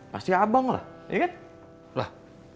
pasti abang lah